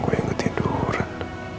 gue yang ketiduran